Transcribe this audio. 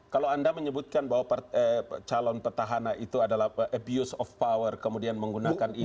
kalau anda menyebutkan bahwa calon petahana itu adalah abuse of power kemudian menggunakan